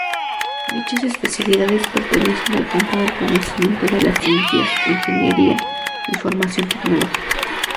Dichas especialidades pertenecen al campo del conocimiento de las ciencias, ingeniería y formación tecnológica.